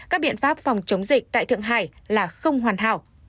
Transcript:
các biện pháp phòng chống dịch tại thượng hải là không hoàn hảo